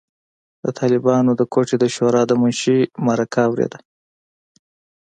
د طالبانو د کوټې د شورای د منشي مرکه اورېده.